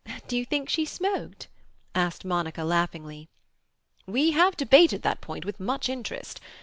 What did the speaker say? "Do you think she smoked?" asked Monica laughingly. "We have debated that point with much interest.